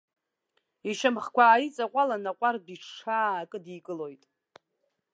Ишьамхқәа ааиҵаҟәалан, аҟәардә иҽаакыдикылоит.